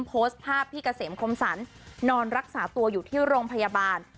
โพสต์ภาพพี่เกษมคมสรรนอนรักษาตัวอยู่ที่โรงพยาบาล